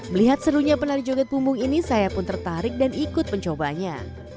melihat serunya penari joget pumbung ini saya pun tertarik dan ikut mencobanya